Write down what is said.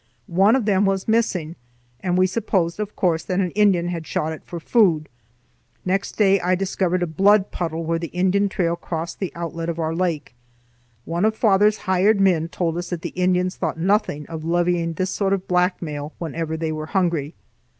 One of them was missing, and we supposed of course that an Indian had shot it for food. Next day, I discovered a blood puddle where the Indian trail crossed the outlet of our lake. One of father's hired men told us that the Indians thought nothing of levying this sort of blackmail whenever they were hungry.